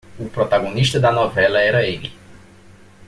O protagonista da novela era ele.